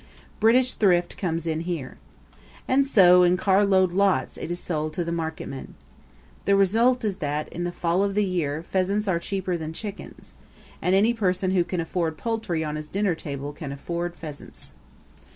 British thrift comes in here. And so in carload lots it is sold to the marketmen. The result is that in the fall of the year pheasants are cheaper than chickens; and any person who can afford poultry on his dinner table can afford pheasants.